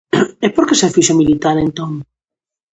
E por que se fixo militar entón?